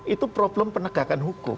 itu problem penegakan hukum